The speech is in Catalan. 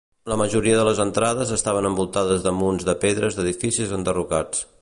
La majoria de les entrades estaven envoltades de munts de pedres d'edificis enderrocats.